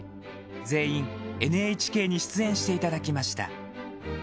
全員、ＮＨＫに出演していただきました。